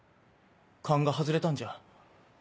勘が外れたんじゃ。